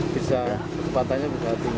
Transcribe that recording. bisa kecepatannya berapa tinggi